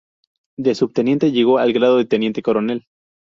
De Subteniente llegó al grado de Teniente Coronel.